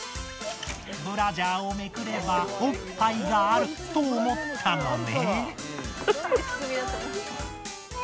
ブラジャーをめくればおっぱいがあると思ったのね。